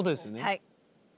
はい。